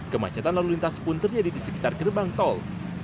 kemacetan lalu lintas pun terjadi di sekitar gerbang tol